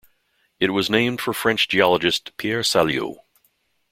It was named for French geologist Pierre Saliot.